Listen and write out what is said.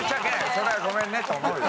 それはごめんねと思うよ。